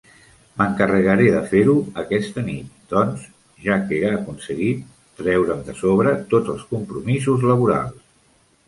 M'encarregaré de fer-ho aquesta nit doncs, ja que he aconseguit treure'm de sobre tots els compromisos laborals.